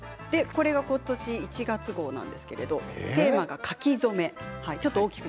これが今年１月号なんですけれどテーマが書き初めです。